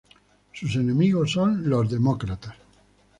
Sus enemigos son los demócratas.